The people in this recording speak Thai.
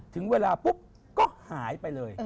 ถึงเวลาปุ๊บก็หายไปเลย